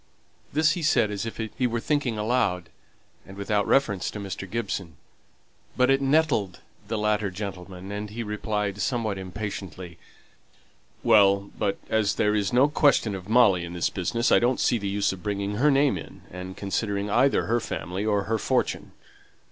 This he said as if he were thinking aloud, and without reference to Mr. Gibson, but it nettled the latter, and he replied somewhat impatiently, "Well, but as there's no question of Molly in this business, I don't see the use of bringing her name in, and considering either her family or her fortune."